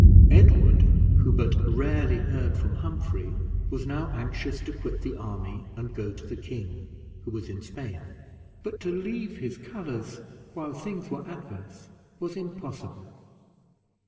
Edward, who but rarely heard from Humphrey, was now anxious to quit the army and go to the king, who was in Spain; but to leave his colors, while things were adverse, was impossible.